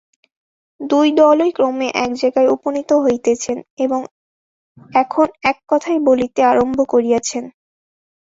দুই দলই ক্রমে এক জায়গায় উপনীত হইতেছেন এবং এখন এক কথাই বলিতে আরম্ভ করিয়াছেন।